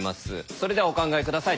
それではお考え下さい。